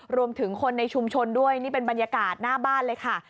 รวมถึงคนในชุมชนด้วยนี่เป็นบรรยากาศหน้าบ้านเลยค่ะ